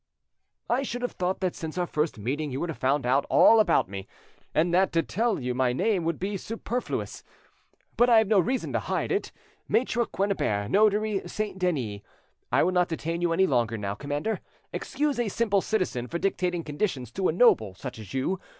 "I should have thought that since our first meeting you would have found out all about me, and that to tell you my name would be superfluous. But I have no reason to hide it: Maitre Quennebert, notary, Saint Denis. I will not detain you any longer now, commander; excuse a simple citizen for dictating conditions to a noble such as you.